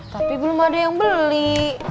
tapi belum ada yang beli